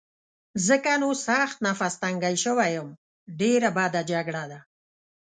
ځکه نو سخت نفس تنګی شوی یم، ډېره بده جګړه ده.